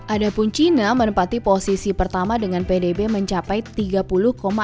adapun china menempati posisi pertama dengan pdb mencapai tiga puluh dua triliun dolar